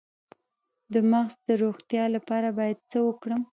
د مغز د روغتیا لپاره باید څه وکړم؟